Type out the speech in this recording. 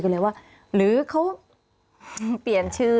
พี่เรื่องมันยังไงอะไรยังไง